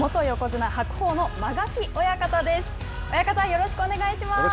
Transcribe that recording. よろしくお願いします。